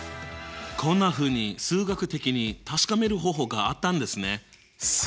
こんなふうに数学的に確かめる方法があったんですね。